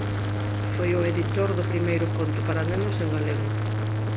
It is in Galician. Foi o editor do primeiro conto para nenos en galego.